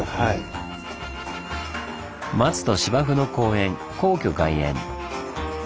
松と芝生の公園皇居外苑。